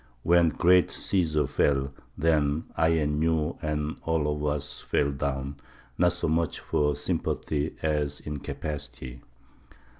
When "great Cæsar fell," then "I and you and all of us fell down," not so much for sympathy as incapacity.